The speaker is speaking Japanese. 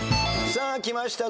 さあきました。